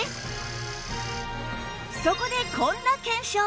そこでこんな検証